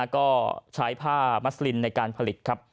ก็ใช้ผ้ามัสลินในการผลิตครับ